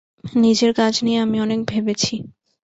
নিজের কাজ নিয়ে আমি অনেক ভেবেছি।